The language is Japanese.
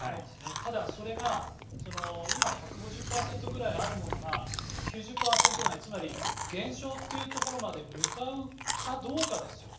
ただ、それが今、１５０％くらいあるものが９０％台、つまり減少というところまで向かうかどうかですよね。